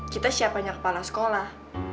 kita siapanya kepala sekolah